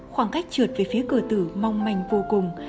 khoảng cách trượt về phía cửa tử mong manh vô cùng